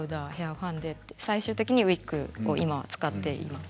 最終的にウイッグを今は使っています。